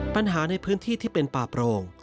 ปัญหาในพื้นที่ที่เป็นป่าโปรง